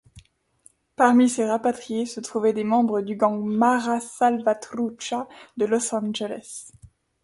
Parmi ces rapatriés se trouvaient des membres du gang Mara Salvatrucha, de Los Angeles.